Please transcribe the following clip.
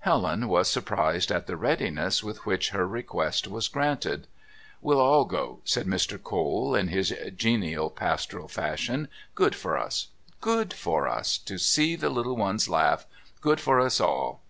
Helen was surprised at the readiness with which her request was granted. "We'll all go," said Mr. Cole, in his genial, pastoral fashion. "Good for us... good for us... to see the little ones laugh. .. good for us all."